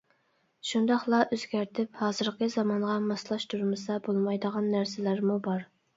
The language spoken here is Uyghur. شۇنداقلا ئۆزگەرتىپ، ھازىرقى زامانغا ماسلاشتۇرمىسا بولمايدىغان نەرسىلەرمۇ بار.